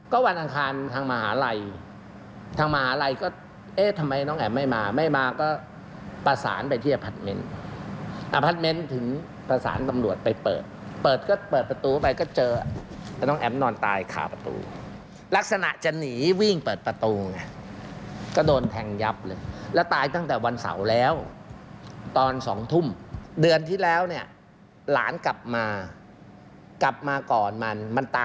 ก็วันอังคารทางมหาลัยทางมหาลัยก็เอ๊ะทำไมน้องแอ๋มไม่มาไม่มาก็ประสานไปที่อพาร์ทเมนต์อพาร์ทเมนต์ถึงประสานตำรวจไปเปิดเปิดก็เปิดประตูไปก็เจอแต่น้องแอ๋มนอนตายขาประตูลักษณะจะหนีวิ่งเปิดประตูไงก็โดนแทงยับเลยแล้วตายตั้งแต่วันเสาร์แล้วตอนสองทุ่มเดือนที่แล้วเนี่ยหลานกลับมากลับมาก่อนมันมันต